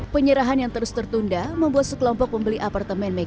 penyerahan yang terus tertunda membuat sekelompok pembeli apartemen megawa